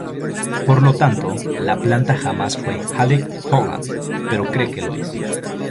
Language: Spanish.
Por lo tanto, la planta jamás fue Alec Holland, pero cree que lo es.